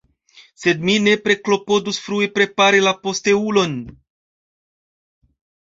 Sed mi nepre klopodus frue prepari la posteulon.